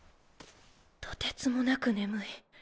とてつもなく眠い。